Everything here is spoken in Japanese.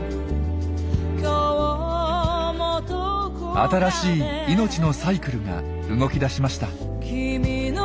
新しい命のサイクルが動きだしました。